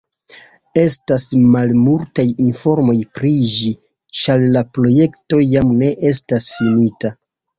Estas malmultaj informoj pri ĝi, ĉar la projekto jam ne estas finita.